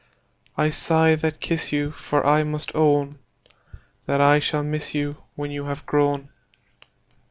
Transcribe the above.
I sigh that kiss you, For I must own That I shall miss you When you have grown.